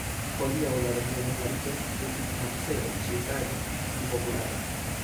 Hodiaŭ la regiono fariĝas turisma celo ĉiutage pli populara.